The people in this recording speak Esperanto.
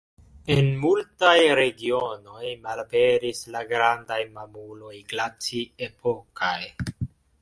En multaj regionoj malaperis la grandaj mamuloj glaci-epokaj.